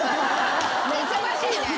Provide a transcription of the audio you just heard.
忙しいね。